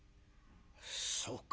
「そうか。